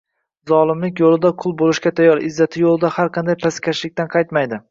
Zolimlik yo’lida qul bo’lishga tayyor, izzati yo’lida har qanday pastkashlikdan qaytmaydi.